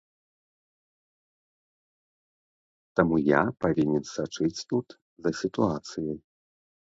Таму я павінен сачыць тут за сітуацыяй.